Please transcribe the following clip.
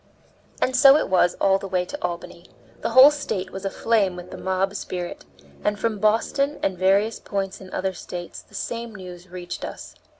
And so it was all the way to Albany. The whole State was aflame with the mob spirit, and from Boston and various points in other States the same news reached us.